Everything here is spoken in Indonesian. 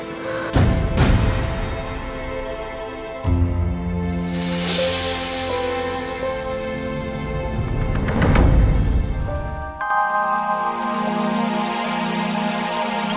kau tidak akan bisa selamat